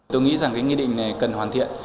tôi nghĩ rằng cái nghị định này cần hoàn thiện